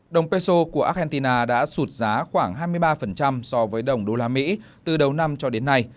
đồng peso của argentina đã sụt giá khoảng hai mươi ba so với đồng usd từ đầu năm cho đến nay